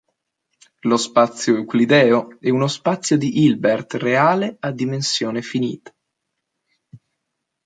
Lo spazio euclideo è uno spazio di Hilbert reale a dimensione finita.